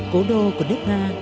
cố đô của nước nga